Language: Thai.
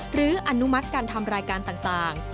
อนุมัติการทำรายการต่าง